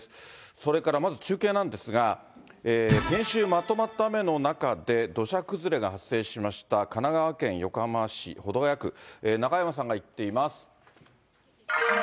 それからまず中継なんですが、先週、まとまった雨の中で、土砂崩れが発生しました神奈川県横浜市保土ケ谷区、中山さんが行っています。